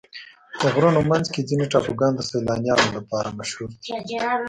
د غرونو منځ کې ځینې ټاپوګان د سیلانیانو لپاره مشهوره دي.